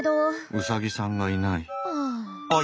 ウサギさんがいない。